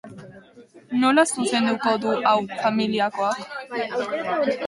Nola zuzenduko du hau familiakoak?